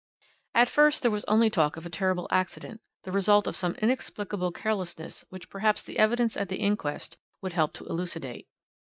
"At first there was only talk of a terrible accident, the result of some inexplicable carelessness which perhaps the evidence at the inquest would help to elucidate.